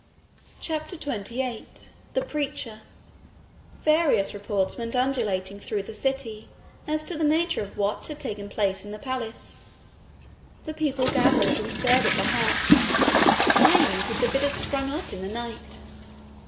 CHAPTER 28 The Preacher Various reports went undulating through the city as to the nature of what had taken place in the palace. The people gathered, and stared at the house, eyeing it as if it had sprung up in the night.